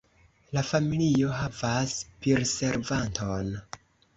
La familio havas pirservanton.